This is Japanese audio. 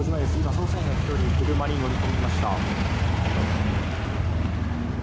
捜査員が１人車に乗り込みました。